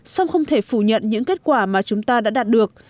song không thể phủ nhận những kết quả mà chúng ta đã đạt được